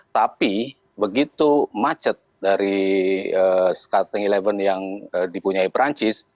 tapi begitu macet dari starting eleven yang dipunyai perancis